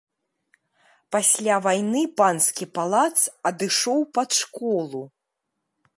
Пасля вайны панскі палац адышоў пад школу.